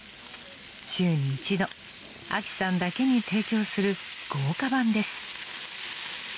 ［週に一度あきさんだけに提供する豪華版です］